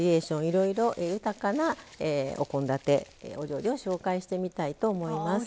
いろいろ豊かなお献立お料理を紹介してみたいと思います。